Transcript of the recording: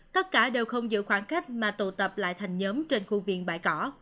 tất cả đều không giữ khoảng cách mà tụ tập lại thành nhóm trên khu viện bãi cỏ